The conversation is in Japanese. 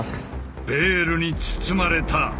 ベールに包まれた。